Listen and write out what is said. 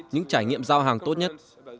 những trải nghiệm giao hàng tốt nhất